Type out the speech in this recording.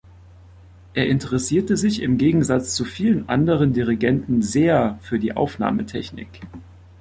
Er interessierte sich im Gegensatz zu vielen anderen Dirigenten sehr für die Aufnahmetechnik.